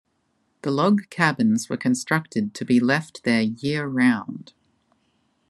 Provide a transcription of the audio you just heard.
The log cabins were constructed to be left there year-round.